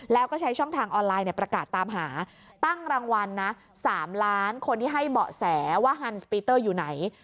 แล้วก็ใช้ช่องทางออนไลน์ประกาศตามหาตั้งรางวัลนะ๓ล้านคนที่ให้เบาะแสว่าฮันสปีเตอร์อยู่ไหน